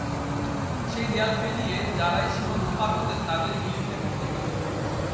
সেই দেয়াল পেরিয়ে যাঁরাই সীমান্ত পার হতেন, তাঁদেরই গুলি খেয়ে মরতে হতো।